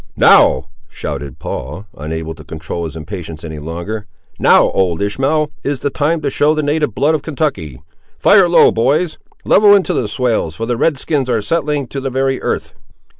"Now!" shouted Paul, unable to control his impatience any longer, "now, old Ishmael, is the time to show the native blood of Kentucky! Fire low, boys—level into the swales, for the red skins are settling to the very earth!"